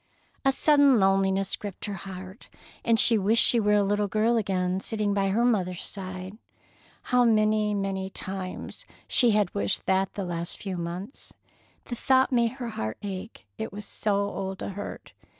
A sudden loneliness gripped her heart, and she wished she were a little girl again, sitting by her mother's side. How many, many times she had wished that the last few months! The thought made her heart ache, it was so old a hurt.